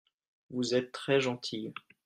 Vous êtes très gentil.